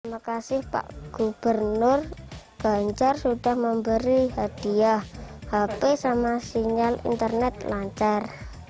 terima kasih pak gubernur ganjar sudah memberi hadiah hp sama sinyal internet lancar